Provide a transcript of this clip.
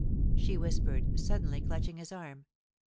she whispered, suddenly clutching his arm.